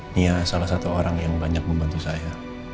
dia salah satu orang yang banyak membantu saya